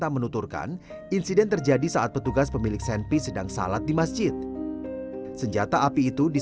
mungkin kita sudah bisa mendahulunya dengan berkata r sai jihadi